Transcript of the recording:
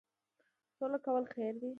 سوله کول خیر دی